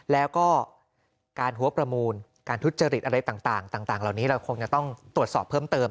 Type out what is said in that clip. แล้วก็การหัวประมูลการทุจริตอะไรต่างเหล่านี้เราคงจะต้องตรวจสอบเพิ่มเติม